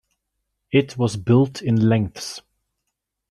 It was built in lengths.